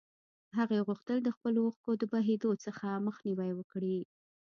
هغې غوښتل د خپلو اوښکو د بهېدو څخه مخنيوی وکړي.